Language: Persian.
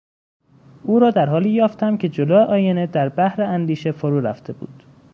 او را در حالی یافتم که جلو آینه در بحر اندیشه فرو رفته بود.